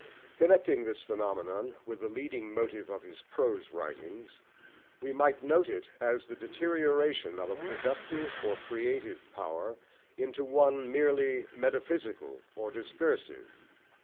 Connecting this phenomenon with the leading motive of his prose writings, we might note it as the deterioration of a productive or creative power into one merely metaphysical or discursive.